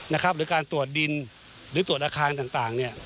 หรือการตรวจดินหรือตรวจอาคารต่างเนี่ย